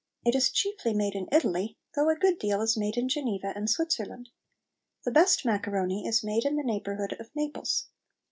It is chiefly made in Italy, though a good deal is made in Geneva and Switzerland. The best macaroni is made in the neighbourhood of Naples.